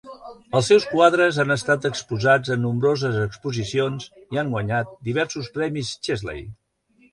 Els seus quadres han estat exposats en nombroses exposicions i han guanyat diversos premis Chesley.